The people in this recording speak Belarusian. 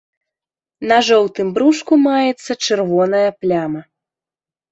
На жоўтым брушку маецца чырвоная пляма.